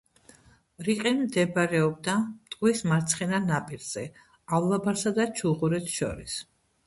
რიყე მდებარეობდა მტკვრის მარცხენა ნაპირზე, ავლაბარსა და ჩუღურეთს შორის.